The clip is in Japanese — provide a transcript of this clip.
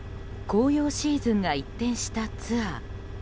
紅葉シーズンが一転したツアー。